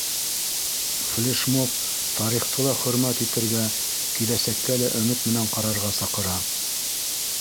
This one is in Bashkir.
Флешмоб тарихты ла хөрмәт итергә, киләсәккә лә өмөт менән ҡарарга саҡыра.